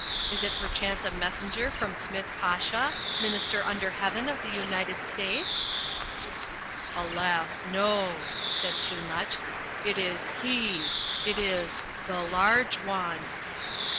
Is it perchance a messenger from Smith Pasha, Minister under Heaven of the United States?" "Alas, no!" said Toomuch. "It is HE. It is THE LARGE ONE!"